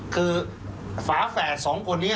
คือฝาแฝด๒คนนี้